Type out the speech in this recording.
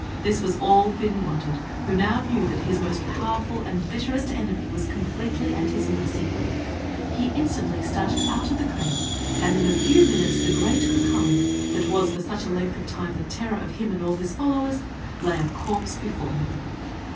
This was all Fin wanted, who now knew that his most powerful and bitterest enemy was completely at his mercy. He instantly started out of the cradle, and in a few minutes the great Cucullin, that was for such a length of time the terror of him and all his followers, lay a corpse before him.